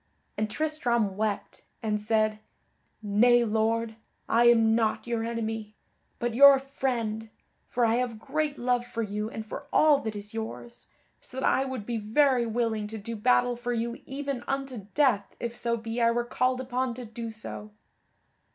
And Tristram wept, and said: "Nay, Lord, I am not your enemy, but your friend, for I have great love for you and for all that is yours, so that I would be very willing to do battle for you even unto death if so be I were called upon to do so."